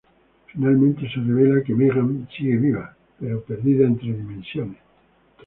Finalmente, se revela que Meggan sigue viva, pero perdida entre dimensiones.